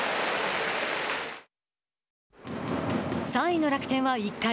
３位の楽天は１回。